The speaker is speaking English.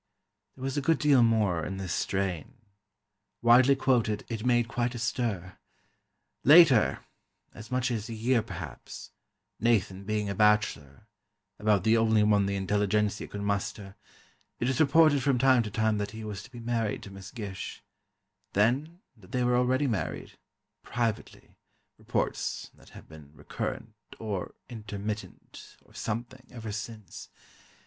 There was a good deal more in this strain. Widely quoted, it made quite a stir. Later—as much as a year, perhaps—Nathan being a bachelor (about the only one the intelligentsia could muster), it was reported from time to time that he was to be married to Miss Gish; then, that they were already married, privately, reports that have been recurrent, or intermittent, or something, ever since.